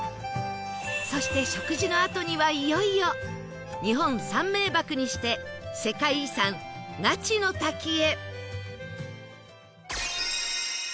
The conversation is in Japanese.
そして食事のあとにはいよいよ日本三名瀑にして世界遺産那智の滝へ